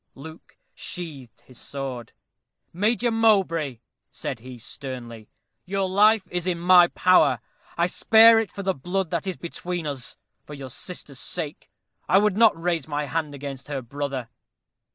Luke sheathed his sword. "Major Mowbray," said he, sternly, "your life is in my power. I spare it for the blood that is between us for your sister's sake. I would not raise my hand against her brother."